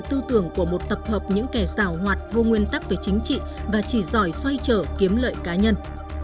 tư tưởng của một tập hợp những kẻ rào hoạt vô nguyên tắc về chính trị và chỉ giỏi xoay trở kiếm lợi cá nhân